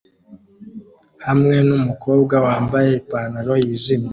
hamwe numukobwa wambaye ipantaro yijimye